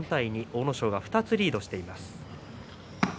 阿武咲は２つリードしています。